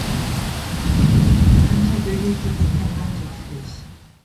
Sie liegt im Hunter Valley direkt am Hunter-Fluss.